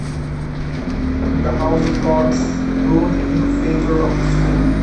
The House of Lords ruled in favour of the school.